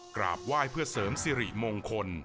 กราบไหว้เพื่อเสริมสิริมงคล